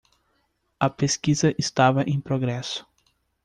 A pesquisa estava em progresso.